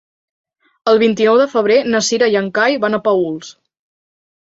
El vint-i-nou de febrer na Cira i en Cai van a Paüls.